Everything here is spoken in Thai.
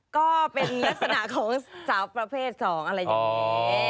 ก็เป็นลักษณะของสาวประเภท๒อะไรอย่างนี้